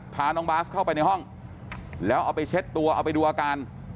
พาน้องบาสเข้าไปในห้องแล้วเอาไปเช็ดตัวเอาไปดูอาการ